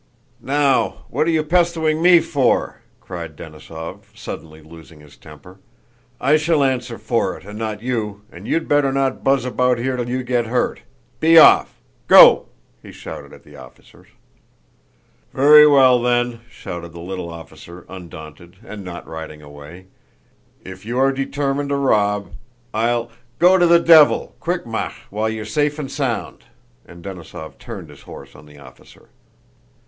"Now, what are you pestewing me for?" cried Denísov, suddenly losing his temper. "I shall answer for it and not you, and you'd better not buzz about here till you get hurt. Be off! Go!" he shouted at the officers. "Very well, then!" shouted the little officer, undaunted and not riding away. "If you are determined to rob, I'll..." "Go to the devil! quick ma'ch, while you're safe and sound!" and Denísov turned his horse on the officer.